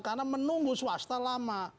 karena menunggu swasta lama